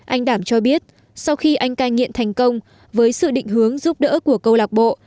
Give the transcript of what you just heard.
anh đảm cho biết sau khi anh cai nghiện thành công với sự định hướng giúp đỡ của câu lạc bộ